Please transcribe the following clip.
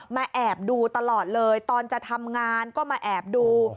แอบดูตลอดเลยตอนจะทำงานก็มาแอบดู